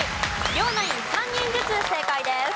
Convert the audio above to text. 両ナイン３人ずつ正解です。